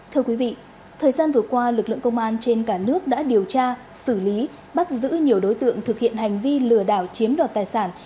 thưa quý vị thời gian vừa qua lực lượng công an trên cả nước đã điều tra xử lý bắt giữ nhiều đối tượng thực hiện hành vi lừa đảo chiếm đoạt tài sản